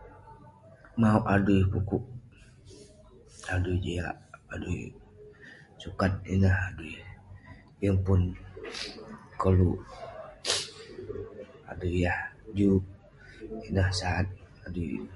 Mauk adui sukup, adui jiak, adui sukat, ineh adui. Yeng pun koluk adui yah juk ineh. Sat adui ineh.